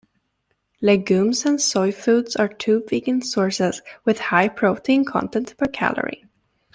Legumes and soy foods are two vegan sources with high protein content per calorie.